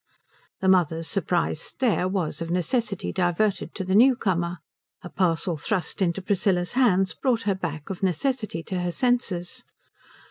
The mother's surprised stare was of necessity diverted to the new comer. A parcel thrust into Priscilla's hands brought her back of necessity to her senses.